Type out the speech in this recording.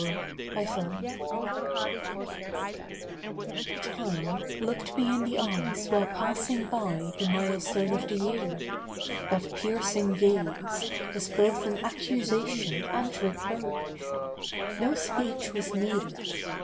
TIME'S GAZE Time looked me in the eyes while passing by The milestone of the year. That piercing gaze Was both an accusation and reproach. No speech was needed.